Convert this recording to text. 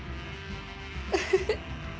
ウフフ。